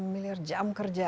satu enam miliar jam kerja ya